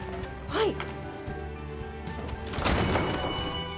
はい！